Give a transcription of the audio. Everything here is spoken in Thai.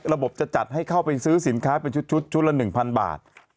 ระบบจะจัดให้เข้าไปซื้อสินค้าเป็นชุดชุดละ๑๐๐บาท